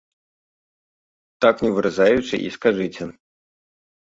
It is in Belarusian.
Так, не выразаючы, і скажыце.